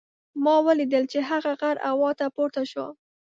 ما ولیدل چې هغه غر هوا ته پورته شو.